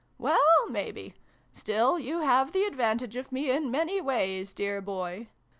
" Well, maybe. Still you have the advan tage of me in many ways, dear boy